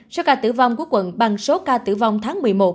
số ca tử vong của quận bằng số ca tử vong tháng một mươi một